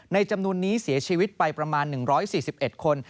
จำนวนนี้เสียชีวิตไปประมาณ๑๔๑คน